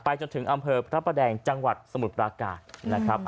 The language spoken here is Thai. จนถึงอำเภอพระประแดงจังหวัดสมุทรปราการนะครับ